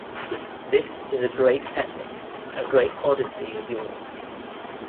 This is a great epic, a great Odyssey of yours.